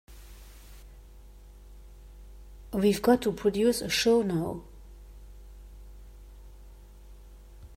We've got to produce a show now.